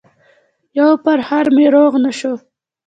يو پرهر مې روغ نه شو